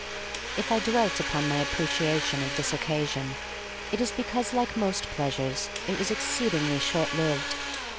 If I dwell upon my appreciation of this occasion it is because, like most pleasures, it was exceedingly short lived.